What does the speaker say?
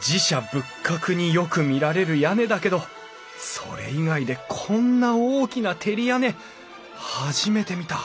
寺社仏閣によく見られる屋根だけどそれ以外でこんな大きな照り屋根初めて見た！